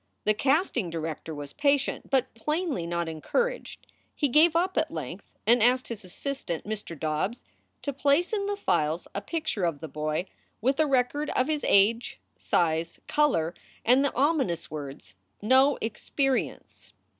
The casting director was patient, but plainly not encouraged. He gave up at length, and asked his assistant, Mr. Dobbs, to place in the files a picture of the boy, with a record of his age, size, color, and the ominous words, "No experience."